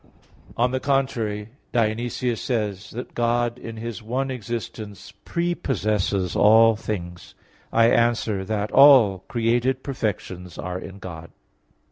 On the contrary, Dionysius says (Div. Nom. v) that "God in His one existence prepossesses all things." I answer that, All created perfections are in God.